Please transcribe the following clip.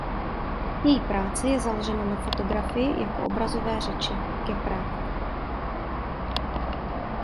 Její práce je založena na fotografii jako obrazové řeči.geprägt.